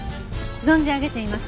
存じ上げています。